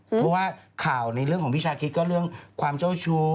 เพราะว่าข่าวในเรื่องของพี่ชาคิดก็เรื่องความเจ้าชู้